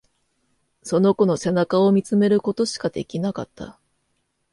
その子の背中を見つめることしかできなかった。